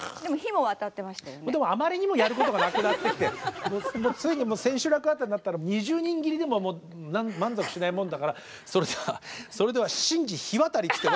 あまりにもやることがなくなってきてついに千秋楽あたりになったら二十人斬りでも満足しないもんだからそれでは神事火渡りって。